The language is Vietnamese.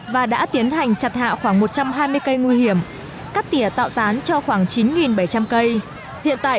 và đã tiến hành chặt hạ khoảng một trăm hai mươi cây nguy hiểm cắt tỉa tạo tán cho khoảng chín bảy trăm linh cây hiện tại